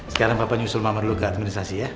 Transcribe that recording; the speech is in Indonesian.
sekarang papa nyusul mama lu ke administrasi ya